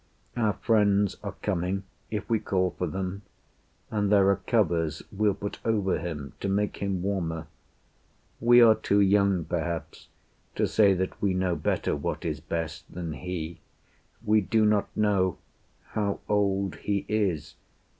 Our friends are coming if we call for them, And there are covers we'll put over him To make him warmer. We are too young, perhaps, To say that we know better what is best Than he. We do not know how old he is.